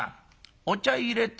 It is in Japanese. お茶いれて。